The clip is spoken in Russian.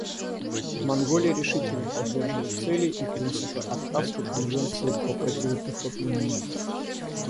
Монголия решительно поддерживает цели и принципы Оттавской конвенции по противопехотным минам.